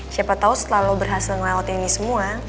siapa tau setelah lo berhasil ngelewatin ini semua